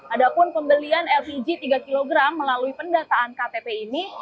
adapun pembelian lpg tiga kg melalui pendataan ktp ini